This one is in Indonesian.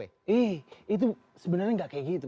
ih itu sebenarnya gak kayak gitu